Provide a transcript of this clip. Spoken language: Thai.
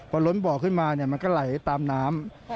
พอล้นบ่อขึ้นมามันก็ไหลตามน้ำ